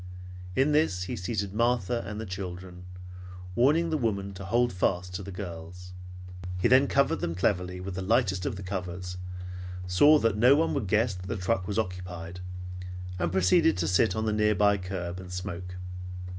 In this he seated Martha and the children, warning the woman to hold fast to the girls. Then he covered them cleverly with the lightest of the covers, saw that no one would guess that the truck was occupied, and proceeded to sit on the nearby curb and smoke.